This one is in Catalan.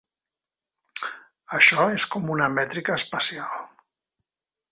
Això és com una mètrica espacial.